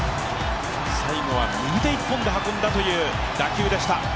最後は右手一本で運んだという打球でした。